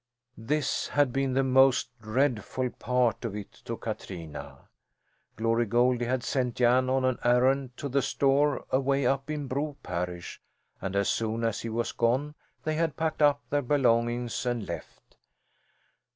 This had been the most dreadful part of it to Katrina. Glory Goldie had sent Jan on an errand to the store away up in Bro parish and as soon as he was gone they had packed up their belongings and left.